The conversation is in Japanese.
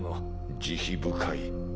慈悲深い。